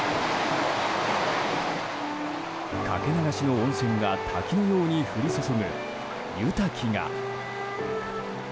かけ流しの温泉が滝のように降り注ぐ、湯滝が。